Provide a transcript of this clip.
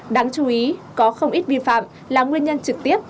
đáng chú ý có không ít vi phạm là nguyên nhân trực tiếp